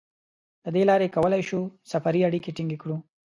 له دې لارې کولای شو سفري اړیکې ټینګې کړو.